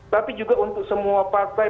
tapi juga untuk semua partai